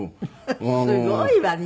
すごいわね！